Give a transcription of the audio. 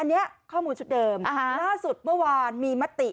อันนี้ข้อมูลชุดเดิมล่าสุดเมื่อวานมีมติ